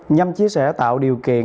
nhằm chia sẻ tạo điều kiện